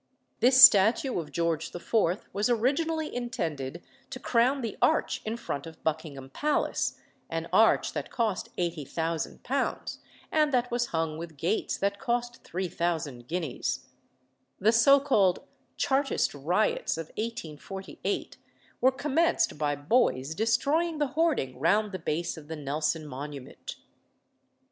This statue of George IV. was originally intended to crown the arch in front of Buckingham Palace an arch that cost £80,000, and that was hung with gates that cost 3000 guineas. The so called Chartist riots of 1848 were commenced by boys destroying the hoarding round the base of the Nelson monument.